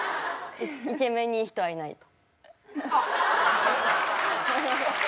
「イケメンにいい人はいない」あっ。